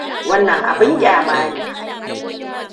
Wannan abin ƙyama ne!